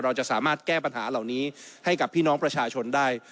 เราจะสามารถแก้ปัญหาเหล่านี้ให้กับพี่น้องประชาชนได้